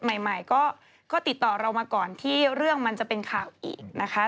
ใหม่ก็ติดต่อเรามาก่อนที่เรื่องมันจะเป็นข่าวอีกนะคะ